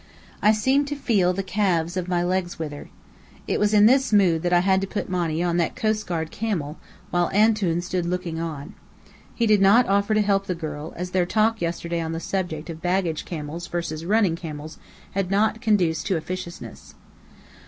I seemed to feel the calves of my legs wither. It was in this mood that I had to put Monny on that coastguard camel, while "Antoun" stood looking on. He did not offer to help the girl, as their talk yesterday on the subject of baggage camels versus running camels had not conduced to officiousness.